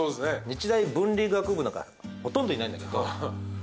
日大文理学部なんかほとんどいないんだけど。